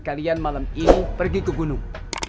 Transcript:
kalian malam ini pergi ke gunung